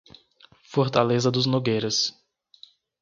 Fortaleza dos Nogueiras